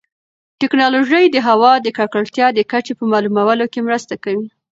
ټیکنالوژي د هوا د ککړتیا د کچې په معلومولو کې مرسته کوي.